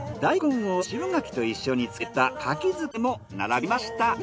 大根を渋柿と一緒に漬けた柿漬けも並びました。